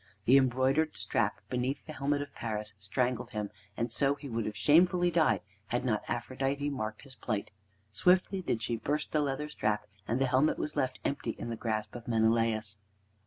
The embroidered strap beneath the helmet of Paris strangled him, and so he would have shamefully died, had not Aphrodite marked his plight. Swiftly did she burst the leather strap, and the helmet was left empty in the grasp of Menelaus.